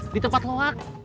di tempat loak